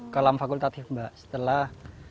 kolam fakultatif mbak setelah